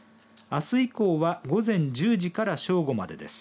あす以降は午前１０時から正午までです。